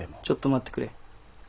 ちょっと待ってくれ。